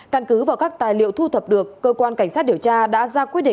căn cứ vào các tài liệu thu thập được cơ quan cảnh sát điều tra đã ra quyết định